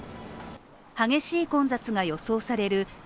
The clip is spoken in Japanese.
激しい混雑が予想される